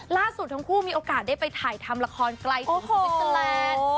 ล่าสุดทั้งคู่มีโอกาสได้ไปถ่ายทำละครไกลที่สวิสเตอร์แลนด์